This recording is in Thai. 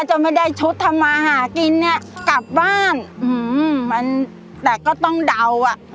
จะไม่ได้ชุดทำมาหากินเนี้ยกลับบ้านอืมมันแต่ก็ต้องเดาอ่ะ